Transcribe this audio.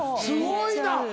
すごいな！